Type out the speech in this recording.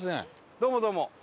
どうもどうも。